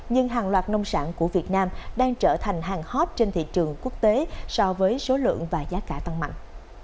nhưng hàng loạt nông sản của việt nam đang trở thành hàng hot trên thị trường quốc tế so với số lượng và giá cả tăng mạnh